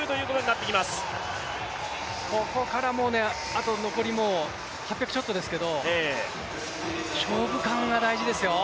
あと残り８００ちょっとですけど勝負勘が大事ですよ。